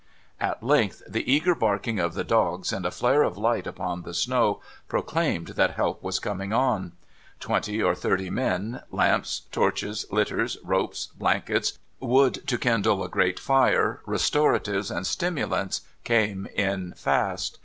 At length the eager barking of the dogs, and a flare of light upon the snow, proclaimed that help was coming on. Twenty or tliirty men, lamps, torches, litters, ropes, blankets, wood to kindle a great fire, restoratives and stimulants, came in fast.